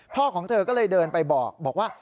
พ่อของเธอก็เลยเดินไปบอกบอกว่า